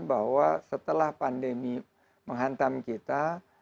bahwa setelah pandemi menghantam kita